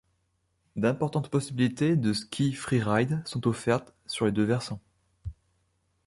D'importantes possibilités de ski freeride sont offertes sur les deux versants.